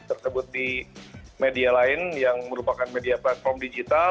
tersebut di media lain yang merupakan media platform digital